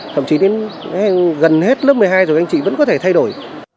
thậm chí đến gần hết lớp một mươi hai rồi anh chị vẫn có thể thay đổi